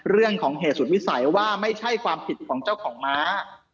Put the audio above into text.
เรื่องของเหตุสุดวิสัยว่าไม่ใช่ความผิดของเจ้าของม้า